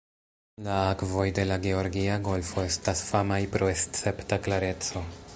La akvoj de la Georgia Golfo estas famaj pro escepta klareco.